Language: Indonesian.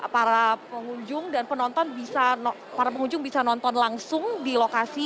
para pengunjung dan penonton bisa nonton langsung di lokasi